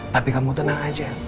tapi kamu tenang